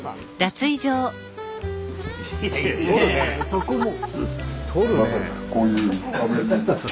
そこも。